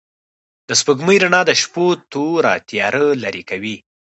د سپوږمۍ رڼا د شپو توره تياره لېرې کوي.